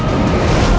aku akan menang